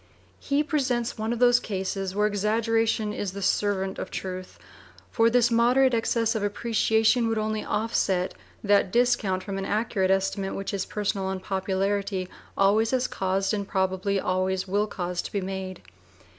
He presents one of those cases where exaggeration is the servant of truth; for this moderate excess of appreciation would only offset that discount from an accurate estimate which his personal unpopularity always has caused, and probably always will cause, to be made.